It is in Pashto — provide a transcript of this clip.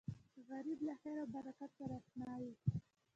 غریب له خیر او برکت سره اشنا وي